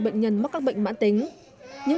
bệnh nhân mắc các bệnh mãn tính những